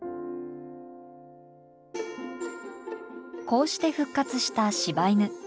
こうして復活した柴犬。